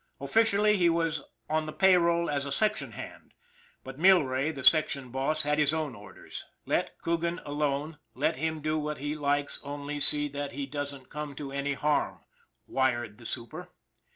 Officially, he was on the pay roll as a section hand; but Millrae, the section boss, had his own orders. " Let Coogan alone. Let him do what he likes, only see that he doesn't come to any harm," wired the super.